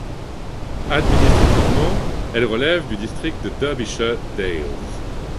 Administrativement, elle relève du district de Derbyshire Dales.